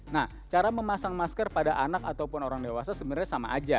nah cara memasang masker pada anak ataupun orang dewasa sebenarnya sama aja